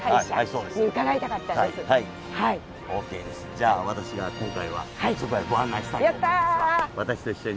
じゃあ私が今回はそこへご案内したいと思います。